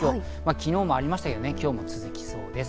昨日もありましたけど、今日も続きそうです。